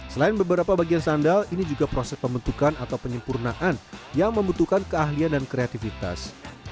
selain beberapa bagian sandal ini juga proses pembentukan atau penyempurnaan yang membutuhkan keahlian dan kreativitas